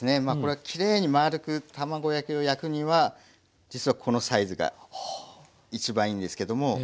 まあこれはきれいにまあるく卵焼きを焼くには実はこのサイズが一番いいんですけども。